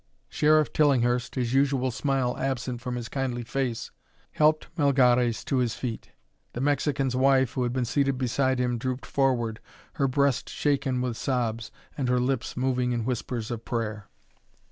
Sheriff Tillinghurst, his usual smile absent from his kindly face, helped Melgares to his feet. The Mexican's wife, who had been seated beside him, drooped forward, her breast shaken with sobs and her lips moving in whispers of prayer.